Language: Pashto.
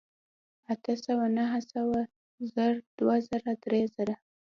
اتۀ سوه نهه سوه زر دوه زره درې زره